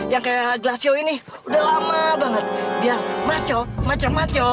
sama kayak gelasio ini udah lama banget dia maco macem maco